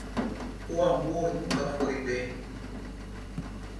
O amor nunca foi bem.